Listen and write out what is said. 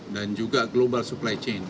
dan juga global supply chain